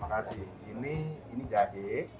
masih kasihan ya mbak